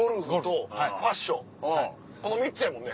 この３つやもんね。